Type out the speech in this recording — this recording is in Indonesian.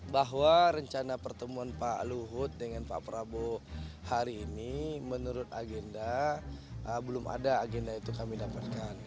bahwa rencana pertemuan pak luhut dengan pak prabowo hari ini menurut agenda belum ada agenda itu kami dapatkan